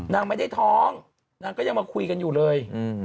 นางไม่ได้ท้องนางก็ยังมาคุยกันอยู่เลย